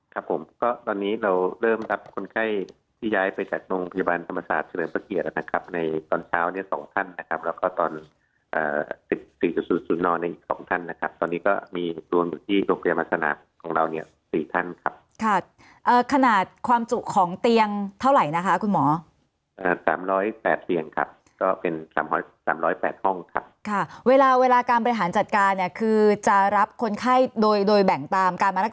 ครับผมก็ตอนนี้เราเริ่มรับคนไข้ที่ย้ายไปจากโรงพยาบาลธรรมศาสตร์เฉลิมพระเกียรตินะครับในตอนเช้าเนี้ยสองท่านนะครับแล้วก็ตอนเอ่อสิบสี่จุดสูดสูดนอนในสองท่านนะครับตอนนี้ก็มีรวมอยู่ที่โรงพยาบาลสนามของเราเนี้ยสี่ท่านครับค่ะเอ่อขนาดความจุของเตียงเท่าไหร่นะคะคุณหมอเอ่อสามร้อยแปดเตียงคร